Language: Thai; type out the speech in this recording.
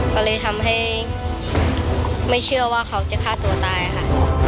ก็เลยทำให้ไม่เชื่อว่าเขาจะฆ่าตัวตายค่ะ